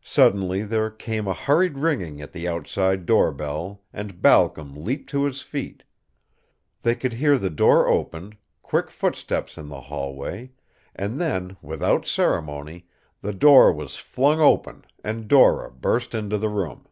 Suddenly there came a hurried ringing at the outside door bell and Balcom leaped to his feet. They could hear the door opened, quick footsteps in the hallway, and then, without ceremony, the door was flung open and Dora burst into the room.